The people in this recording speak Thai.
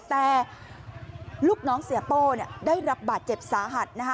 แต่ลูกน้องเสียโป้ได้รับบาดเจ็บสาหัสนะคะ